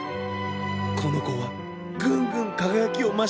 このこはぐんぐんかがやきをましていったの。